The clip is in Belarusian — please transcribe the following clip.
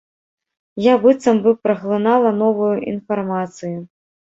Я быццам бы праглынала новую інфармацыю.